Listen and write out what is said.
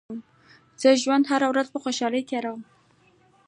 زه د ژوند هره ورځ په خوشحالۍ تېروم.